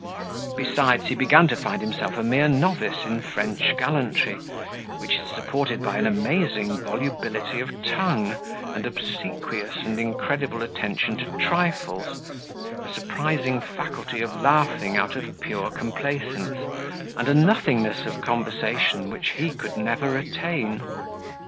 Besides, he began to find himself a mere novice in French gallantry, which is supported by an amazing volubility of tongue, and obsequious and incredible attention to trifles, a surprising faculty of laughing out of pure complaisance, and a nothingness of conversation which he could never attain.